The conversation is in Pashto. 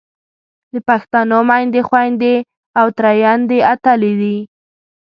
د پښتنو میندې، خویندې او ترېیندې اتلې دي.